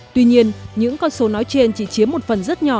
tuy nhiên những con số nói trên chỉ chiếm một phần rất nhỏ